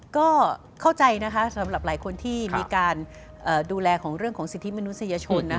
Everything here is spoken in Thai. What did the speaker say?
ก็เข้าใจนะคะสำหรับหลายคนที่มีการดูแลของเรื่องของสิทธิมนุษยชน